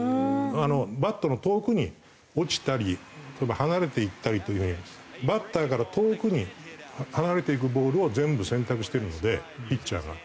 バットの遠くに落ちたり離れていったりという風にバッターから遠くに離れていくボールを全部選択してるのでピッチャーが。